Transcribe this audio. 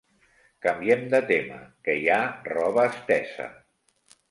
Canviem de tema que hi ha roba estesa!